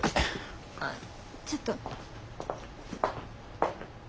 ああちょっと。